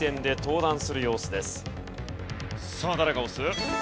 さあ誰が押す？